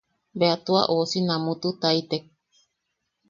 Bea tua ousi namututaitek.